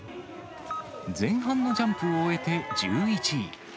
前半のジャンプを終えて１１位。